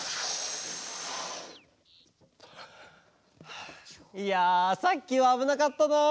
はあいやさっきはあぶなかったな。